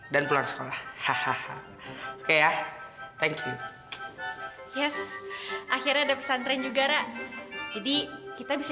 dan pulang sekolah hahaha oke ya thank you yes akhirnya ada pesantren juga ra jadi kita bisa